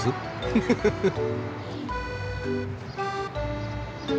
フフフフッ。